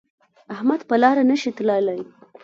احمد په لاره نشي تللی.